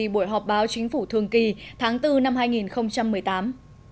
buổi họp báo chính phủ thường kỳ tháng bốn năm hai nghìn một mươi tám